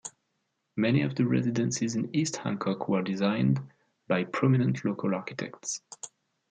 Many of the residences in East Hancock were designed by prominent local architects.